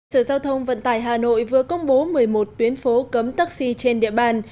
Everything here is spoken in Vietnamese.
sở giao thông vận tải hà nội vừa công bố một mươi một tuyến phố cấm taxi trên địa bàn